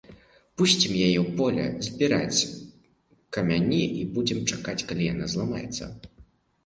Пусцім яе ў поле збіраць камяні і будзем чакаць, калі яна зламаецца!